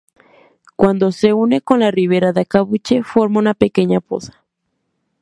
Cuando se une con la rivera de Acebuche forma una pequeña poza.